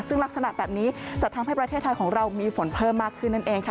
ซึ่งลักษณะแบบนี้จะทำให้ประเทศไทยของเรามีฝนเพิ่มมากขึ้นนั่นเองค่ะ